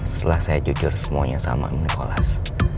setelah saya jujur semuanya sama om nikolas